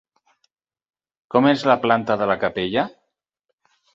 Com és la planta de la capella?